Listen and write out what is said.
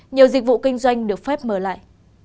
nhiều dịch vụ kinh doanh được phép mở lại